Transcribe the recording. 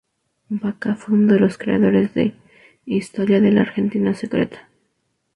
Vacca fue uno de los creadores de "Historias de la Argentina secreta".